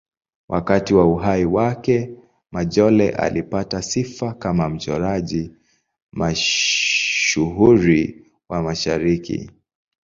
Wakati wa uhai wake, Majolle alipata sifa kama mchoraji mashuhuri wa Mashariki.